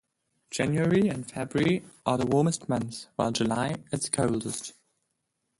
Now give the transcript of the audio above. January and February are the warmest months while July is the coldest.